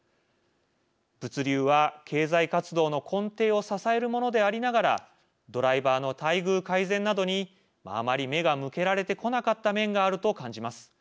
物流は経済活動の根底を支えるものでありながらドライバーの待遇改善などにあまり目が向けられてこなかった面があると感じます。